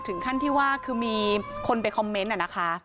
ถึงขั้นที่ว่าคือมีคนไปคอมเมนต์นะคะ